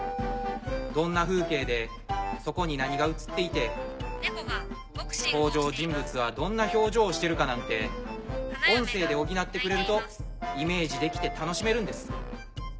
どんな風景でそこに何が映っていて登場人物はどんな表情してるかなんて音声で補ってくれるとイメージできて楽しめるんです。